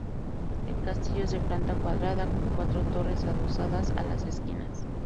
El castillo es de planta cuadrada, con cuatro torres adosadas a las esquinas.